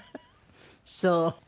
そう。